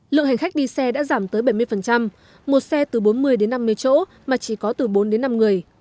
lượng hành khách đi xe đã giảm tới bảy mươi một xe từ bốn mươi đến năm mươi chỗ mà chỉ có từ bốn đến năm người